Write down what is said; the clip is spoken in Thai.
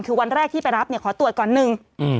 คือวันแรกที่ไปรับเนี่ยขอตรวจก่อนหนึ่ง